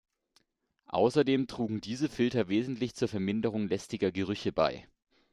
Außerdem trugen diese Filter wesentlich zur Verminderung lästiger Gerüche bei.